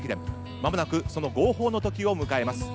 間もなくその号砲のときを迎えます。